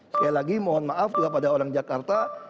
sekali lagi mohon maaf juga pada orang jakarta